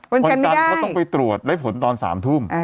วันจันทร์เขาต้องไปตรวจได้ผลตอน๓ทุ่ม